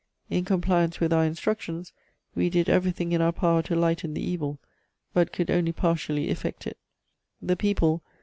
In compliance with our instructions, we did everything in our power to lighten the evil, but could only partially effect it.... The people